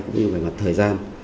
cũng như về mặt thời gian